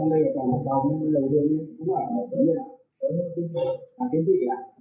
và sự khỏe lợi lại